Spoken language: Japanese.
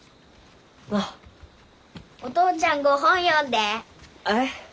お父ちゃんご本読んで。え？